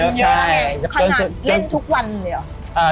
แล้วมีผลเยอะแหละไงขนาดเล่นทุกวันหรืออย่างไร